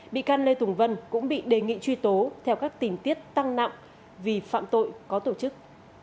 bị can lê tùng vân cũng bị đề nghị truy tố theo các tình tiết tăng nặng vì phạm tội có tổ chức